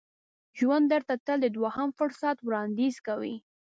ژوند درته تل د دوهم فرصت وړاندیز کوي.